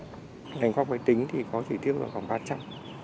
đành khoa bài tính thì có chỉ tiêu gần khoảng ba trăm linh